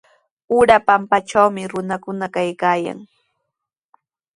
Ura pampatrawmi runakuna kaykaayan.